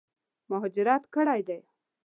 مهاجرت کړی دی.